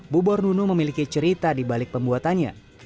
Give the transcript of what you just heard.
bubor nunu memiliki cerita di balik pembuatannya